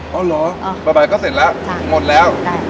อ๋อเหรอบายก็เสร็จแล้วหมดแล้วจ้ะใช่